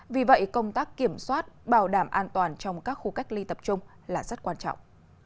vì vậy công tác kiểm soát bảo đảm an toàn trong các khu cách ly tập trung là rất quan trọng